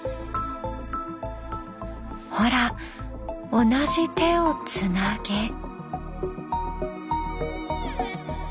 ほら同じ手をつなげ。